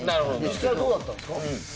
実際どうだったんですか？